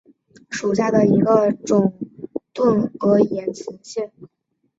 钝额岩瓷蟹为瓷蟹科岩瓷蟹属下的一个种。